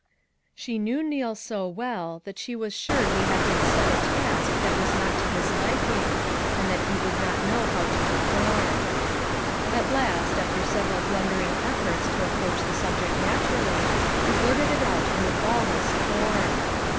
She knew Neal so c ' *m* &■'£;£&■■ f 1 ; 'K * I 144 FOUR MOTHERS AT CHAUTAUQUA well that she was sure he had been set a task that was not to his liking, and that he did not know how to perform. At last, after several blundering efforts to approach the subject naturally, he blurted it out in the baldest form.